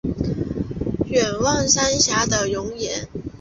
远望三峡的容颜